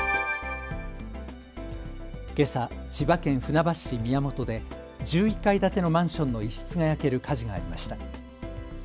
けさ千葉県船橋市宮本で１１階建てのマンションの一室が焼ける火事がありました。